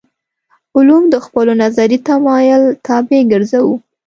علوم د خپلو نظري تمایل طابع ګرځوو.